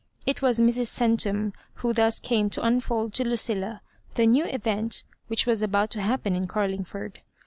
It was Mrs. Centum who thus came to unfold to Lucilla the new event which was about to happen in Carlingford.